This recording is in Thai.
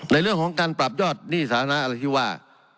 ในเรื่องของการปรับยอดหนี้สาธารณะอะไรที่ว่า